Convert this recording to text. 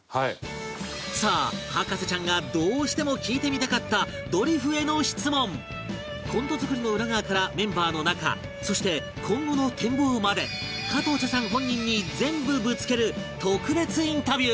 さあ博士ちゃんがどうしても聞いてみたかったドリフへの質問コント作りの裏側からメンバーの仲そして今後の展望まで加藤茶さん本人に全部ぶつける特別インタビュー